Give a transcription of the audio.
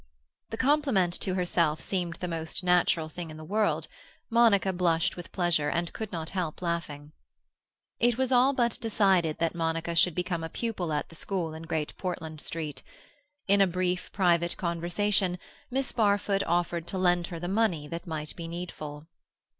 The compliment to herself seemed the most natural thing in the world. Monica blushed with pleasure, and could not help laughing. It was all but decided that Monica should become a pupil at the school in Great Portland Street. In a brief private conversation, Miss Barfoot offered to lend her the money that might be needful.